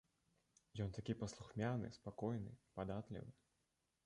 Ён такі паслухмяны, спакойны, падатлівы.